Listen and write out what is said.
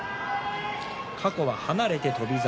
過去は離れて翔猿。